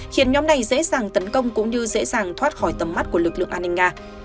khiến nhóm này dễ dàng tấn công cũng như dễ dàng thoát khỏi tầm mắt của lực lượng an ninh nga